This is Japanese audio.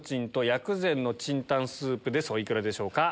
お幾らでしょうか？